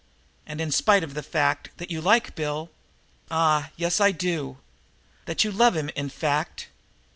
And, in spite of the fact that you like Bill " "Ah, yes, I do!" "That you love him, in fact."